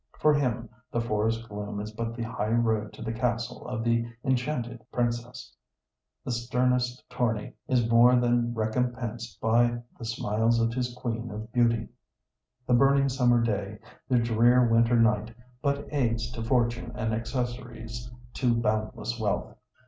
For him the forest gloom is but the high road to the castle of the enchanted princess; the sternest tourney is more than recompensed by the smiles of his queen of beauty; the burning summer day, the drear winter night, but aids to fortune and accessories to boundless wealth.